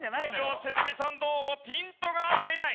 良純さんどうもピントが合っていない。